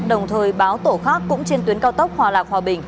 đồng thời báo tổ khác cũng trên tuyến cao tốc hòa lạc hòa bình